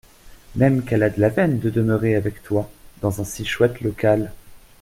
Même qu'elle a de la veine de demeurer avec toi, dans un si chouette local.